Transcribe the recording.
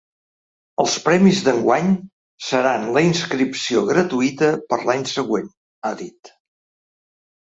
“Els premis d’enguany seran la inscripció gratuïta per l’any següent”, ha dit.